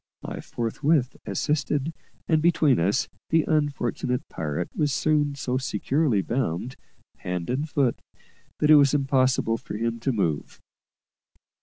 I forthwith assisted, and, between us, the unfortunate pirate was soon so securely bound, hand and foot, that it was impossible for him to move.